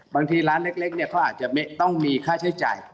บางทีร้านเล็กเนี่ยเขาอาจจะต้องมีค่าใช้จ่าย